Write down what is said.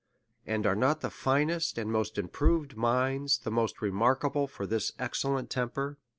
And are not the finest and most improved minds, the most remarkable for this excellent temper?